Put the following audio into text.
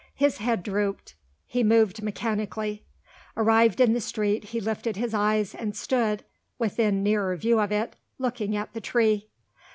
His head drooped; he moved mechanically. Arrived in the street, he lifted his eyes, and stood (within nearer view of it) looking at the tree.